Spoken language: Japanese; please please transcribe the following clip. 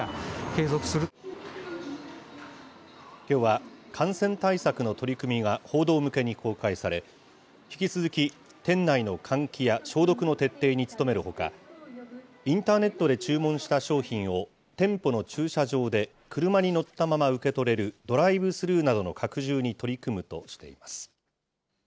きょうは、感染対策の取り組みが報道向けに公開され、引き続き、店内の換気や消毒の徹底に努めるほか、インターネットで注文した商品を、店舗の駐車場で車に乗ったまま受け取れるドライブスルーなどの拡充に取り組むとしています。